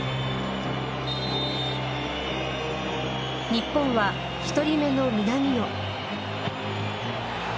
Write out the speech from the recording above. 日本は１人目の南野。